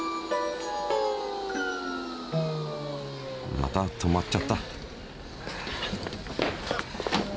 また止まっちゃった。